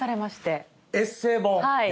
はい。